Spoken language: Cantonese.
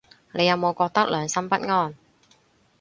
你有冇覺得良心不安